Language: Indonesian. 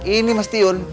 ini mas tiun